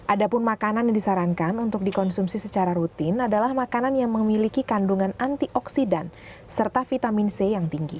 ada pun makanan yang disarankan untuk dikonsumsi secara rutin adalah makanan yang memiliki kandungan antioksidan serta vitamin c yang tinggi